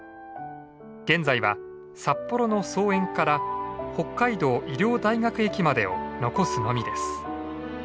現在は札幌の桑園から北海道医療大学駅までを残すのみです。